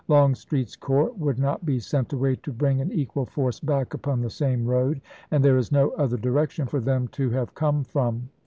Longstreet's corps would not be sent away to bring an equal force back upon the same road, and there is no other direction for them to have come from.